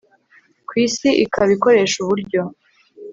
ku isi, ikaba ikoresha uburyo